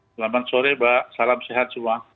selamat sore mbak salam sehat semua